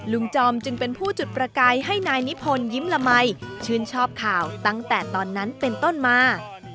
จอมจึงเป็นผู้จุดประกายให้นายนิพนธ์ยิ้มละมัยชื่นชอบข่าวตั้งแต่ตอนนั้นเป็นต้นมา